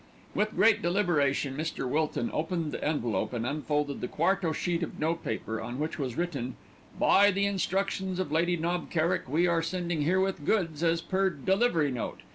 With great deliberation Mr. Wilton opened the envelope and unfolded the quarto sheet of notepaper on which was written "By the instructions of Lady Knob Kerrick, we are sending herewith goods as per delivery note.